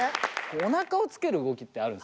おなかをつける動きってあるんですよ。